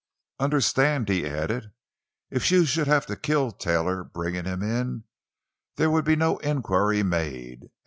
"Understand," he added; "if you should have to kill Taylor bringing him in, there would be no inquiry made.